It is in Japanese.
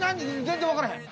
全然分からへん！